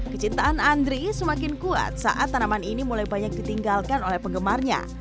kecintaan andri semakin kuat saat tanaman ini mulai banyak ditinggalkan oleh penggemarnya